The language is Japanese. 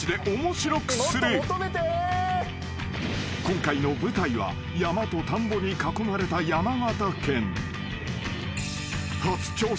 ［今回の舞台は山と田んぼに囲まれた山形県］